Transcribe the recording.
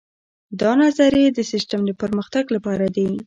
دا نظریې د سیسټم د پرمختګ لپاره دي.